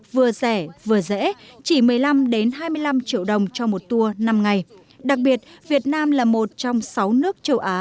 vừa rẻ vừa dễ chỉ một mươi năm hai mươi năm triệu đồng cho một tour năm ngày đặc biệt việt nam là một trong sáu nước châu á